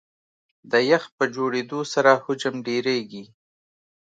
د یخ په جوړېدو سره حجم ډېرېږي.